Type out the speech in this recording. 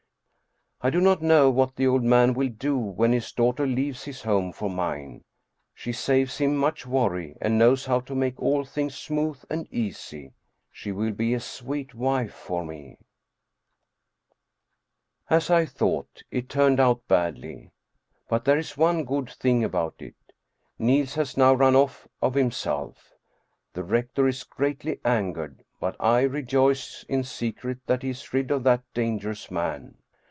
I do not know what the old man will do when his daughter leaves his home for mine. She saves him much worry and knows how to make all things smooth and easy. She will be a sweet wife for me. 282 Stcen Stccnscn Blichcr As I thought, it turned out badly. But there is one good thing about it, Niels has now run off of himself. The rector is greatly angered, but I rejoice in secret that he is rid of that dangerous man.